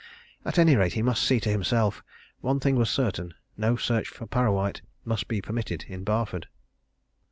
At any rate, he must see to himself. One thing was certain no search for Parrawhite must be permitted in Barford.